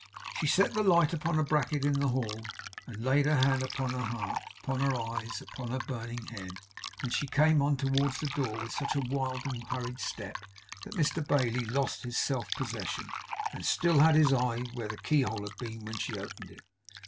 She set the light upon a bracket in the hall, and laid her hand upon her heart; upon her eyes; upon her burning head. Then she came on towards the door with such a wild and hurried step that Mr Bailey lost his self possession, and still had his eye where the keyhole had been, when she opened it.